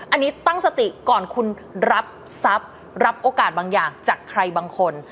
อันนี้ตั้งสติก่อนคุณรับทรัพย์รับโอกาสบางอย่างจากใครบางคน